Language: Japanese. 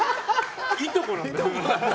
いとこなんだ。